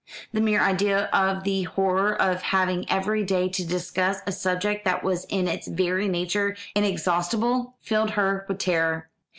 The mere idea of the horror of having every day to discuss a subject that was in its very nature inexhaustible, filled her with terror.